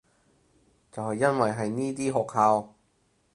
就係因為係呢啲學校